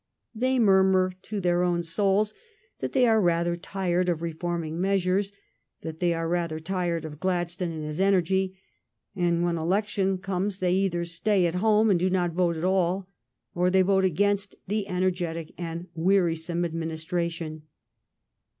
They murmur to their own souls that they are rather tired of reforming measures; that they are rather tired of Gladstone and his energy; and when election comes they either stay at home and do not vote at all or they vote against the energetic and wearisome administration.